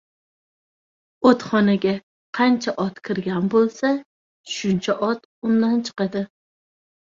• Otxonaga qancha ot kirgan bo‘lsa, shuncha ot undan chiqadi.